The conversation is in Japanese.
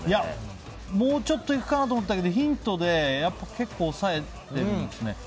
もうちょっといくかなと思ったけどヒントで結構抑えているんですよね。